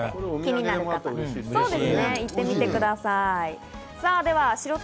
気になる方は行ってみてください。